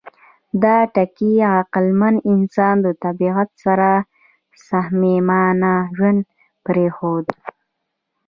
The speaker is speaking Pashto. دا ټکي عقلمن انسان د طبیعت سره صمیمانه ژوند پرېښود.